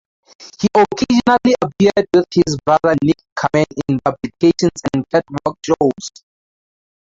He occasionally appeared with his brother Nick Kamen in publications and catwalk shows.